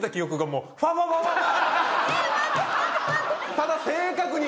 ただ正確に。